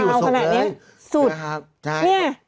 นั่งไม่อยู่อะไรสุด